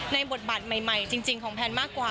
ในบทบัตรใหม่จริงของแผนมากกว่า